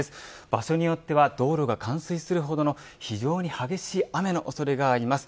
場所によっては道路が冠水するほどの非常に激しい雨の恐れがあります。